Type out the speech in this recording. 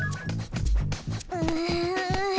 うん。